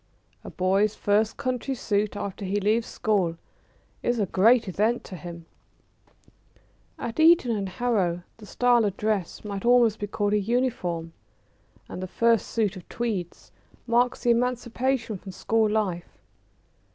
A boy's first "country suit" after he leaves school is a great event to him. [Sidenote: The first suit of tweeds.] At Eton and Harrow the style of dress might almost be called a uniform, and the first suit of tweeds marks the emancipation from school life.